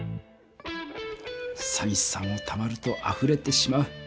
さびしさもたまるとあふれてしまう。